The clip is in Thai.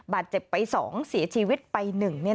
บาดเจ็บไป๒เสียชีวิตไป๑